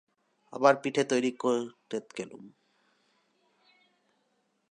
আবার পিঠে তৈরি করেত গেলুম।